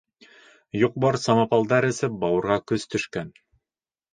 — Юҡ-бар самопалдар эсеп, бауырға көс төшкән.